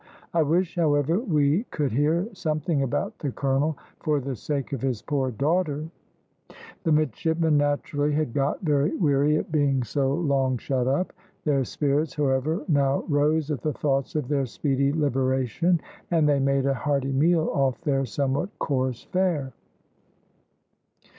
I wish, however, we could hear something about the colonel, for the sake of his poor daughter." The midshipmen naturally had got very weary at being so long shut up. Their spirits, however, now rose at the thoughts of their speedy liberation, and they made a hearty meal off their somewhat coarse fare.